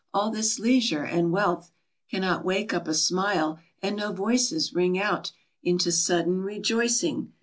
All this leisure and wealth Cannot wake up a smile, and no voices ring out Into sudden rejoicing.